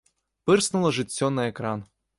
Пырснула жыццё на экран.